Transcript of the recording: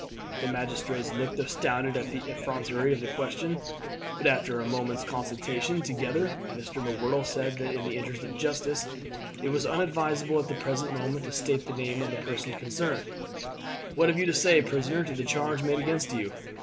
The magistrates looked astounded at the effrontery of the question, but after a moment's consultation together Mr. M'Whirtle said that in the interest of justice it was unadvisable at the present moment to state the name of the person concerned. "What have you to say, prisoner, to the charge made against you?